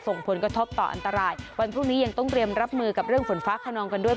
ส่งผลกระทบต่ออันตรายวันพรุ่งนี้ยังต้องเตรียมรับมือกับเรื่องฝนฟ้าขนองกันด้วย